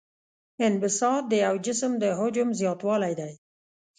انبساط د یو جسم د حجم زیاتوالی دی.